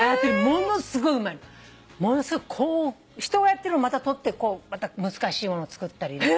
ものすごくこう人がやってるのまた取って難しいものつくったり。